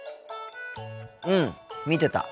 うん見てた。